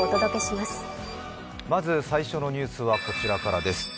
まず最初のニュースはこちらからです。